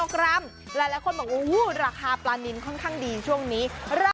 กรัมลาคาปลานินค่อนข้างดีช่วงนี้